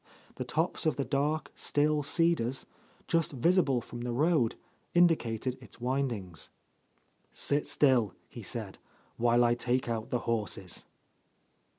The tops of the dark, still cedars, just visible from the road, in dicated its windings. "Sit still," he said, "while I take out the horses."